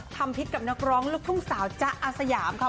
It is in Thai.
พิษกับนักร้องลูกทุ่งสาวจ๊ะอาสยามค่ะ